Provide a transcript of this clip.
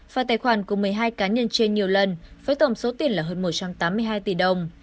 và tài khoản của một mươi hai cá nhân trên nhiều lần với tổng số tiền là hơn một trăm tám mươi hai tỷ đồng